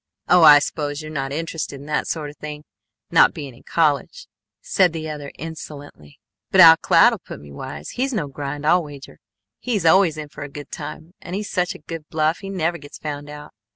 "Oh, I s'pose you're not interested in that sort of thing, not being in college," said the other insolently. "But Al Cloud'll put me wise. He's no grind, I'll wager. He's always in for a good time, and he's such a good bluff he never gets found out.